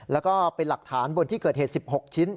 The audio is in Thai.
แล้วก็เป็นหลักฐานบนที่เกิดเหตุ๑๖ชิ้น